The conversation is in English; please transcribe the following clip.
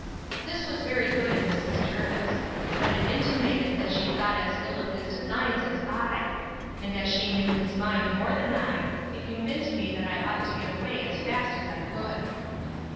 This was very good in Mrs. Jervis; but it intimated, that she thought as ill of his designs as I; and as she knew his mind more than I, it convinced me that I ought to get away as fast as I could.